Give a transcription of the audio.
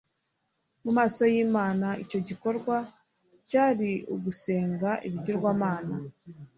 Mu maso y'Imana icyo gikorwa cyari ugusenga ibigirwamana.